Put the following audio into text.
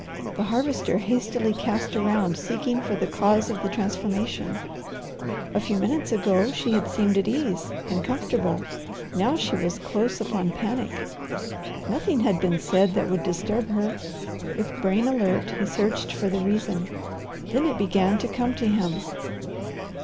The Harvester hastily cast around seeking for the cause of the transformation. A few minutes ago she had seemed at ease and comfortable, now she was close open panic. Nothing had been said that would disturb her. With brain alert he searched for the reason. Then it began to come to him.